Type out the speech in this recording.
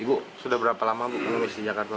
ibu sudah berapa lama mengemis di jakarta